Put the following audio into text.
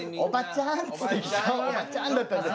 「おばちゃん」だったんで。